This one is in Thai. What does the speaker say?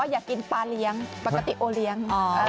อยากกินปลาเลี้ยงปกติโอเลี้ยง